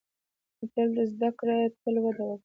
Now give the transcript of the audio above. • تل زده کړه، تل وده وکړه.